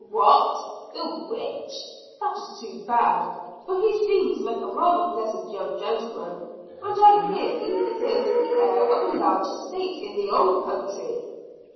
"What, the witch! that is too bad. For he seems like a rather pleasant young gentleman; and I hear he is the heir of a large estate in the old country."